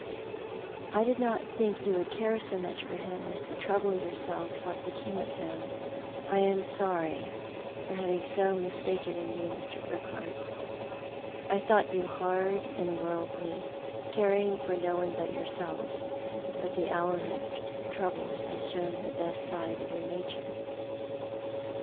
"I did not think you would care so much for him as to trouble yourself what became of him. I am sorry for having *^ Grtidged I so much to dieV 137 been so mistaken in you, Mr. Urquliart. I thought you hard and worldly, caring for no one but yourself; but the hour of trouble has shown the best side of your nature."